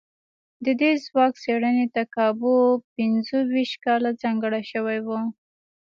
د دې ځواک څېړنې ته کابو پينځو ويشت کاله ځانګړي شوي وو.